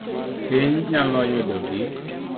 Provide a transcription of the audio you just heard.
Pinywa nyalo yudo gik